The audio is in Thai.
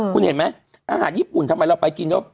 คุณเห็นไหมอาหารญี่ปุ่นทำไมเราไปกินแล้ว